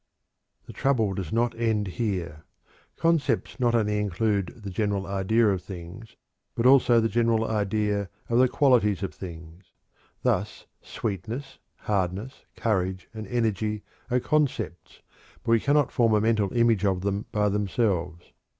The trouble does not end here. Concepts not only include the general idea of things, but also the general idea of the qualities of things. Thus sweetness, hardness, courage, and energy are concepts, but we cannot form a mental image of them by themselves.